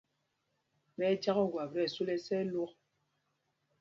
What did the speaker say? Ɓɛ́ ɛ́ jǎk ogwâp tí ɛsu lɛ ɛsá ɛlwok.